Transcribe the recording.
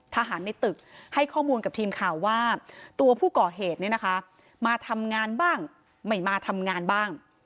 ทหารในตึกให้ข้อมูลกับทีมข่าวว่าตัวผู้ก่อเหตุเนี่ยนะคะมาทำงานบ้างไม่มาทำงานบ้าง